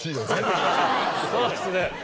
そうっすね。